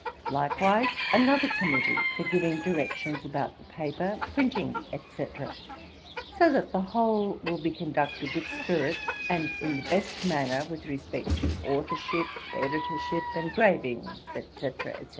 Likewise another committee for giving directions about the paper, printing, etc., so that the whole will be conducted with spirit, and in the best manner, with respect to authourship, editorship, engravings, etc., etc.